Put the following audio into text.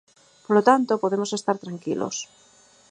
Polo tanto, podemos estar tranquilos.